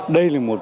đây là một